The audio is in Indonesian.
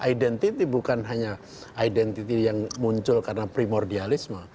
identity bukan hanya identity yang muncul karena primordialisme